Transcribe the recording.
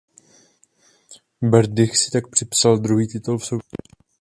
Berdych si tak připsal druhý titul v soutěži.